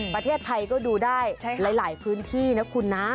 ประเทศไทยก็ดูได้หลายพื้นที่นะคุณนะ